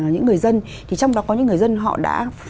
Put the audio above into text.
những người dân thì trong đó có những người dân họ đã